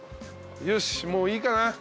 よしっもういいかな。